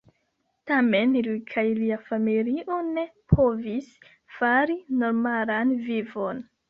Tamen li kaj lia familio ne povis fari normalan vivon.